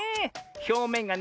ひょうめんがね